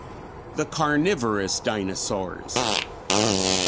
_The Carnivorous Dinosaurs.